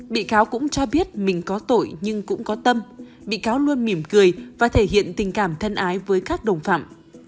bị cáo cũng cho biết mình có tội nhưng cũng có tâm bị cáo luôn mỉm cười và thể hiện tình cảm thân ái với các đồng phạm